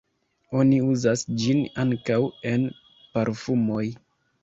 Oni uzas ĝin ankaŭ en parfumoj.